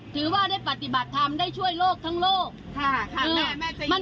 ถือว่าได้ปฏิบัติทำได้ช่วยโลกทั้งโลกค่ะค่ะได้แม่จะมันไม่ใช่ว่าเห็นแก่ตัวนะ